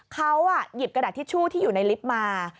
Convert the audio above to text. เขาหยิบกระดาษทิชชู่ที่อยู่ในลิฟต์มา